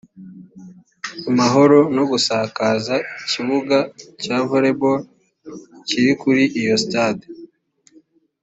amahoro no gusakara ikibuga cya volleyball kiri kuri iyo sitade